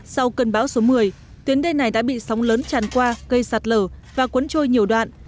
sau cơn bão số một mươi tuyến đê này đã bị sóng lớn tràn qua gây sạt lở và cuốn trôi nhiều đoạn